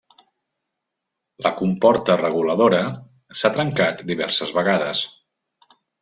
La comporta reguladora s'ha trencat diverses vegades.